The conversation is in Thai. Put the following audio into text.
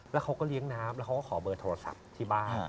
แล้วเขาก็เลี้ยงน้ำแล้วเขาก็ขอเบอร์โทรศัพท์ที่บ้าน